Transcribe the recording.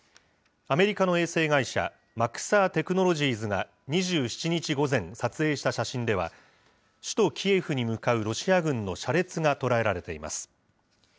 アメリカの衛星会社、マクサー・テクノロジーズが２７日午前、撮影した写真では、首都キエフに向かうロシア軍の車列が捉えられています。